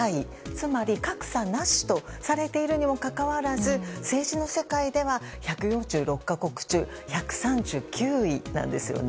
つまり格差なしとされているにもかかわらず政治の世界では１４６か国中１３９位なんですね。